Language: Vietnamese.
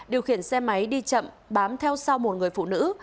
điều khiển xe máy đi chậm bám theo sau một người phụ nữ